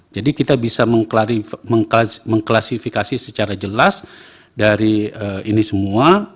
jadi kita bisa mengklasifikasi secara jelas dari ini semua